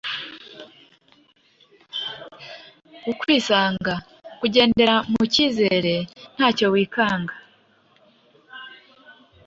Ukwisanga: kugendera mu kizere, nta cyo wikanga.